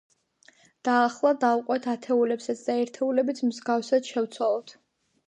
და ახლა დავყვეთ ათეულებსაც და ერთეულებიც მსგავსად შევცვალოთ.